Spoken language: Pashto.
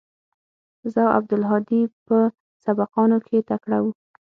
زه او عبدالهادي په سبقانو کښې تکړه وو.